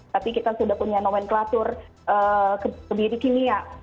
tapi kita sudah punya nomenklatur ke diri kimia